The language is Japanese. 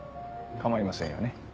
構いませんよね？